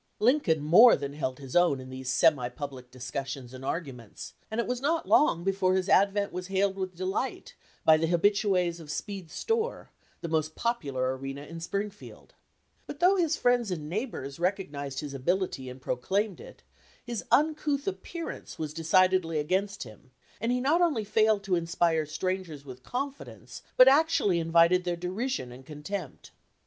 Lincoln more than held his own in these semi public discussions and arguments, and it was not long before his advent was hailed with delight by the habitues of Speed's store, the most popular arena in Springfield. 79 LINCOLN THE LAWYER But though his friends and neighbors recog nized his ability and proclaimed it, his uncouth appearance was decidedly against him, and he not only failed to inspire strangers with confi dence, but actually invited their derision and contempt.